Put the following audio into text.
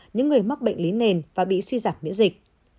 những người mắc bệnh lý nền và bị suy giảm miễn dịch